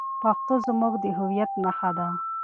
پښتو زموږ د هویت نښه ده.